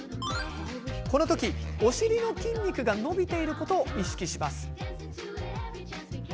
この時、お尻の筋肉が伸びていることを意識します。